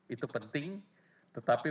itu penting tetapi